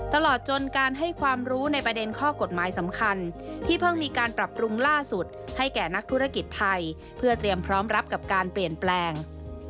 ตลอดจนการให้ความรู้ในประเด็นข้อกฎหมายสำคัญที่เพิ่งมีการปรับปรุงล่าสุดให้แก่นักธุรกิจไทยเพื่อเตรียมพร้อมรับกับการเปลี่ยนแปลง